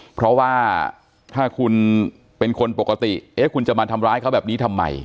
เพราะว่าถ้าคุณเป็นคนปกติเอ๊ะคุณจะมาทำร้ายเขาแบบนี้ทำไม